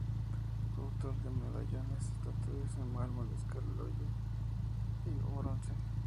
Fue autor de medallones, estatuillas, en mármol, escayola o bronce.